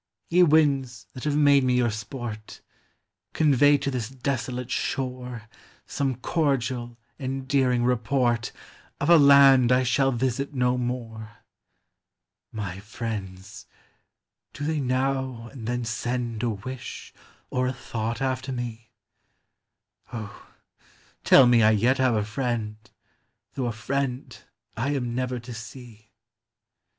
Ye winds that have made me your sport, Convey to this desolate shore Some cordial, endearing report Of a land I shall visit no more ! My friends, — do they now and then send A wish or a thought after me ? O, tell me I yet have a friend, Though a friend I am never to see.